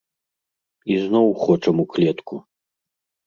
І зноў хочам у клетку!